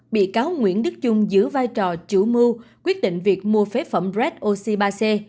bị cáo nguyễn đức trung giữ vai trò chủ mưu quyết định việc mua phế phẩm red oxy ba c